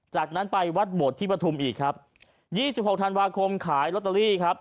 จากนั้นไปวัดบทที่ปฐุมอีกครับยี่สิบหกธันวาคมขายลอตเตอรี่ครับ